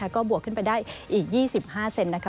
ก็บวกขึ้นไปได้อีก๒๕เซนนะคะ